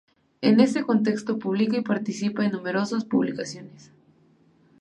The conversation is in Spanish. En este contexto publica y participa en numerosas publicaciones.